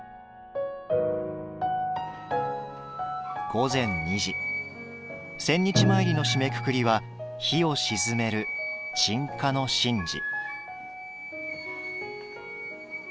午前２時千日詣りの締めくくりは火を鎮める「鎮火の神事」。